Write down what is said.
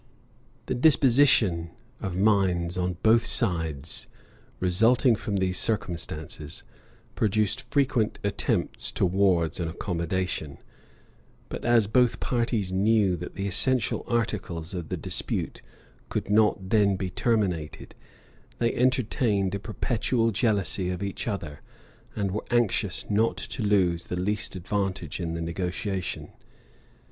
The disposition of minds on both sides, resulting from these circumstances, produced frequent attempts towards an accommodation; but as both parties knew that the essential articles of the dispute could not then be terminated, they entertained a perpetual jealousy of each other, and were anxious not to lose the least advantage in the negotiation.